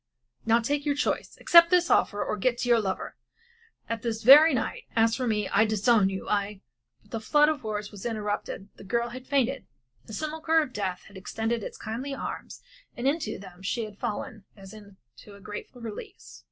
Now take your choice accept this offer or get to your lover and this very night. As for me, I disown you, I " But the flood of words was interrupted the girl had fainted. The simulachre of death had extended its kindly arms, and into them she had fallen as into a grateful release.